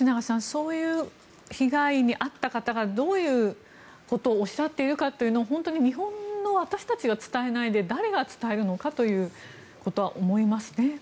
そういう被害に遭った方がどういうことをおっしゃっているかというのを日本の私たちが伝えないで誰が伝えるのかと思いますね。